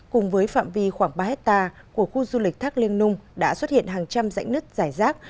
cùng với phạm vi khoảng ba hectare của khu du lịch thác liêng nung đã xuất hiện hàng trăm dãy nứt dài rác